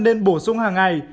nên bổ sung hàng ngày